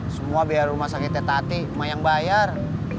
semua biar rumah sakitnya tadi mak yang bayar